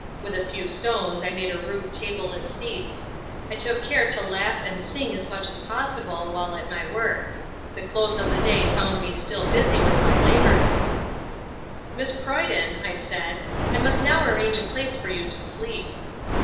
With a few stones I made a rude table and seats. I took care to laugh and sing as much as possible while at my work. The close of the day found me still busy with my labours. "Miss Croyden," I said, "I must now arrange a place for you to sleep."